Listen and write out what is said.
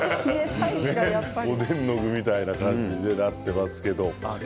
おでんの具みたいな感じになってますけど。